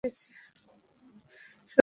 শুধু কাঁধে লেগেছে?